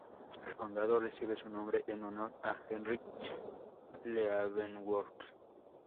El condado recibe su nombre en honor a Henry Leavenworth.